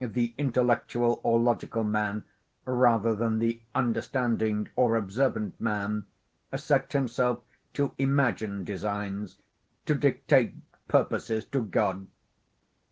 The intellectual or logical man, rather than the understanding or observant man, set himself to imagine designs—to dictate purposes to God.